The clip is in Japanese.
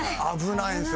危ない。